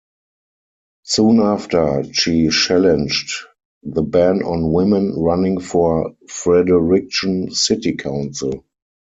Soon after, she challenged the ban on women running for Fredericton City Council.